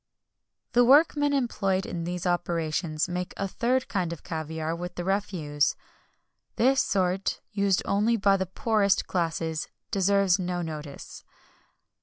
The workmen employed in these operations make a third kind of caviar with the refuse. This sort, used only by the poorest classes, deserves no notice.